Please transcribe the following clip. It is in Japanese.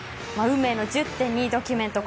運命の１０．２ドキュメント